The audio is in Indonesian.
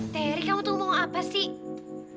teri kamu tuh ngomong apa sih